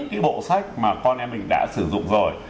những cái bộ sách mà con em mình đã sử dụng rồi